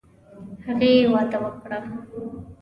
هغې وعده وکړه.